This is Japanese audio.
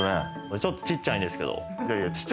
ちょっとちっちゃいんですけど。